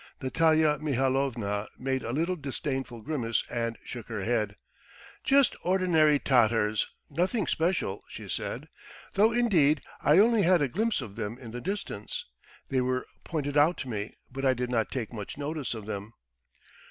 Natalya Mihalovna made a little disdainful grimace and shook her head. "Just ordinary Tatars, nothing special ..." she said, "though indeed I only had a glimpse of them in the distance. They were pointed out to me, but I did not take much notice of them.